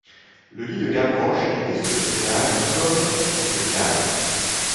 Le lit de Gavroche était sous ce grillage comme dans une cage.